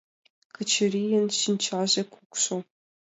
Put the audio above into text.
Качырийын шинчаже кукшо.